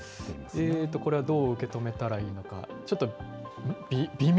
これはどう受け止めたらいいのか、ちょっと微妙？